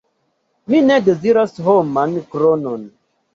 Mi ne deziras homan kronon.